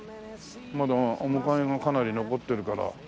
まだ面影がかなり残ってるから。